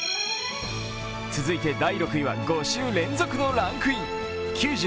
続いて第６位は５週連続のランクイン。